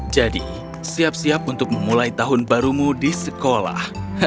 jadi siap siap untuk memulai tahun barumu di sekolah